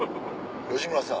吉村さん。